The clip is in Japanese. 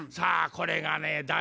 これがね